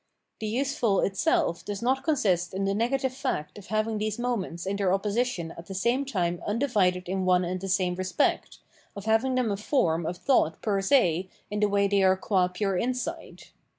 The useful itself does not consist in the negative fact of having these moments in there opposition at the same time undivided in one and the same respect, of having them as a form of thought per se in the way they are qua pure insight.